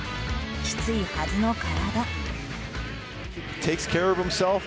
きついはずの体。